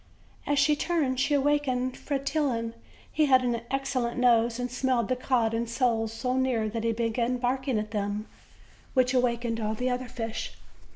As she turned she awakened Fretillon. He had an ex cellent nose and smelled the cod and soles so near that he began barking at them, which awakened all the osher fish.